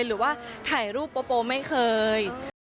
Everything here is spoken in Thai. หรือว่าถ่ายรูปโปไม่เคย